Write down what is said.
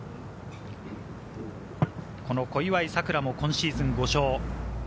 小祝さくらも今シーズン５勝。